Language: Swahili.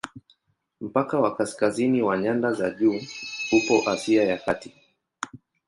Mpaka wa kaskazini wa nyanda za juu upo Asia ya Kati.